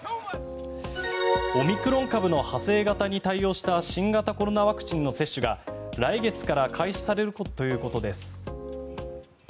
オミクロン株の派生型に対応した新型コロナワクチンの接種が来月から開始されるということです。